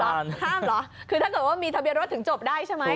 ห้ามเหรอคือถ้าเกิดว่ามีทะเบียนรถถึงจบได้ใช่ไหม